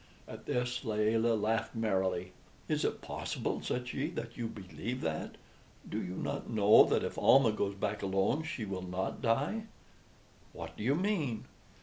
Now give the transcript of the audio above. At this Layelah laughed merrily. "Is it possible," said she, "that you believe that? Do you not know that if Almah goes back alone she will not die?" "What do you mean?"